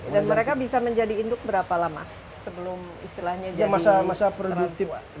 dan mereka bisa menjadi induk berapa lama sebelum istilahnya jadi